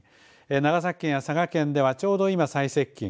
長崎県や佐賀県ではちょうど今、最接近。